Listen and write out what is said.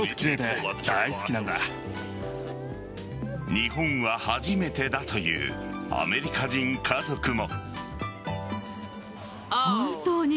日本は初めてだというアメリカ人家族も。